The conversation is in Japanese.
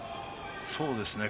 そうですね。